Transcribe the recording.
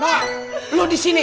mbak lu disini